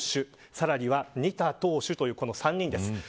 さらに仁田投手という３人です。